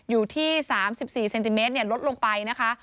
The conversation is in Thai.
อยู่ที่๓๔เซนติเมตรลดลงไปนะคะ